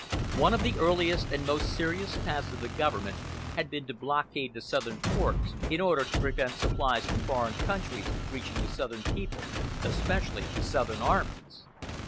One of the earliest and most serious tasks of the Government had been to blockade the southern ports, in order to prevent supplies from foreign countries reaching the southern people, especially the southern armies.